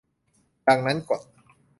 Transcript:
ดังนั้นกฎ